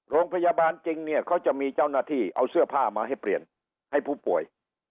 โรงพยาบาลจริงเนี่ยเขาจะมีเจ้าหน้าที่เอาเสื้อผ้ามาให้เปลี่ยนให้ผู้ป่วย